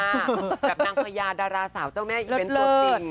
แบบนางพญาดาราสาวเจ้าแม่อีเวนต์ตัวจริง